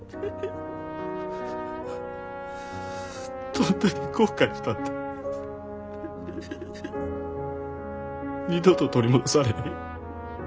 どんだけ後悔したって二度と取り戻されへん。